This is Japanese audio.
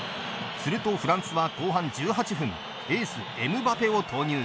すると、フランスは後半１８分エース、エムバペを投入。